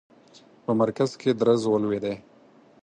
په مرکز کې درز ولوېدی.